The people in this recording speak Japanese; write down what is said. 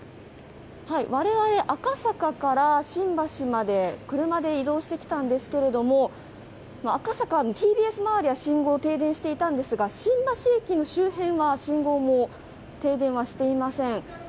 我々、赤坂から新橋まで車で移動してきたんですけれども赤坂のＴＢＳ周りは信号、停電していたんですが新橋駅の周辺は信号も停電はしていません。